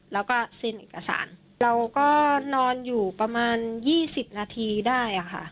แล้วก็เซ็นเอกสารเราก็นอนอยู่ประมาณ๒๐นาทีได้ค่ะ